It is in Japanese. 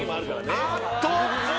あっと！